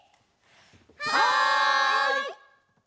はい！